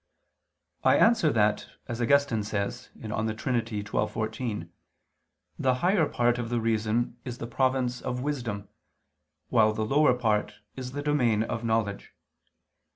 I answer that, As Augustine says (De Trin. xii, 14), the higher part of the reason is the province of wisdom, while the lower part is the domain of knowledge.